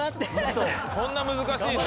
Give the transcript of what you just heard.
そんな難しいの？